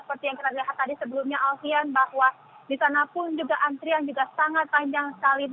seperti yang kita lihat tadi sebelumnya alfian bahwa di sana pun juga antrian juga sangat panjang sekali